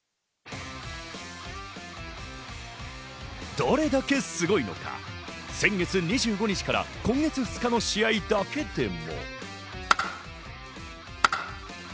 どれだけすごいのか、先月２５日から今月２日の試合だけでも。